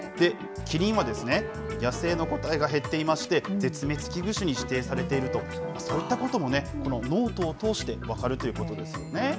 キリンは、野生の個体が減っていまして、絶滅危惧種に指定されていると、そういったこともね、このノートを通して分かるということですよね。